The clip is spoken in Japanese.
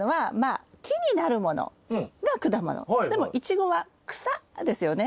でもイチゴは草ですよね。